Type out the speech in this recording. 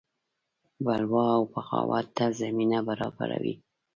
بلوا او بغاوت ته زمینه برابروي.